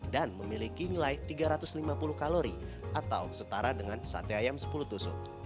memiliki nilai tiga ratus lima puluh kalori atau setara dengan sate ayam sepuluh tusuk